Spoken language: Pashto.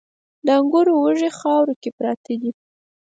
د انګورو وږي خاورو کې پراته دي